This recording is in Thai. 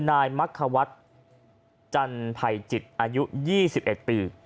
นายมักขวัดจันไพจิตอายุยี่สิบเอ็ดปี